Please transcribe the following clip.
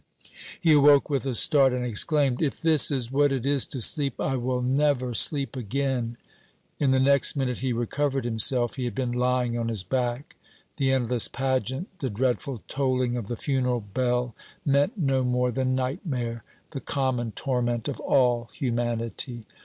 He awoke with a start, and exclaimed, "If this is what it is to sleep, I will never sleep again!" In the next minute he recovered himself. He had been lying on his back. The endless pageant, the dreadful tolling of the funeral bell, meant no more than nightmare, the common torment of all humanity.